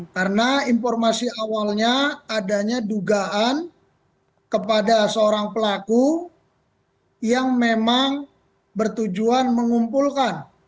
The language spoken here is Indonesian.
karena informasi awalnya adanya dugaan kepada seorang pelaku yang memang bertujuan mengumpulkan